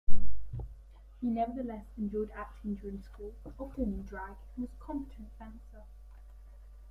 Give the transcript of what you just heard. He nevertheless enjoyed acting during school, often in drag, and was a competent fencer.